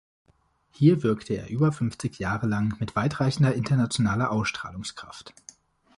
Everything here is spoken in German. Hier wirkte er über fünfzig Jahre lang mit weitreichender internationaler Ausstrahlungskraft.